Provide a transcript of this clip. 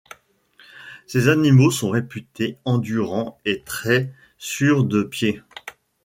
Ces animaux sont réputés endurants et très sûrs de pied.